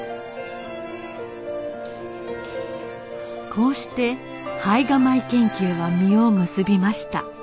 こうして胚芽米研究は実を結びました